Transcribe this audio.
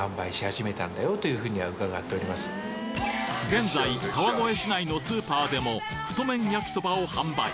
現在川越市内のスーパーでも太麺焼きそばを販売